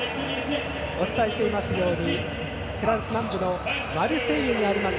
お伝えしていますようにフランス南部のマルセイユにあります